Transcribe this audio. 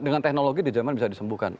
dengan teknologi di jerman bisa disembuhkan